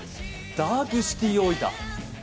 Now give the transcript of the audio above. ダークシティオーイタ。